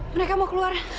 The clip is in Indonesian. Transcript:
mereka mau keluar